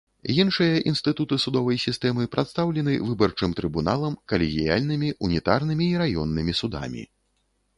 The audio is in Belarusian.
Іншыя інстытуты судовай сістэмы прадстаўлены выбарчым трыбуналам, калегіяльнымі, унітарнымі і раённымі судамі.